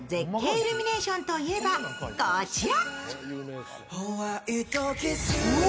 イルミネーションといえば、こちら。